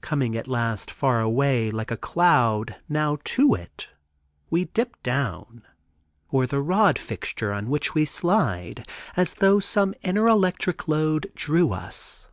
Coming at last far away, like a cloud, now to it, we dip down (or the rod fixture on which we slide, as though some inner electric lode drew us).